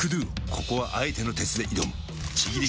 ここはあえての鉄で挑むちぎり